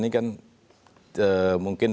ini kan mungkin